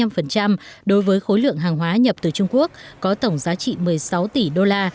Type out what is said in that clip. mức thuế nhập khẩu hai mươi năm đối với khối lượng hàng hóa nhập từ trung quốc có tổng giá trị một mươi sáu tỷ usd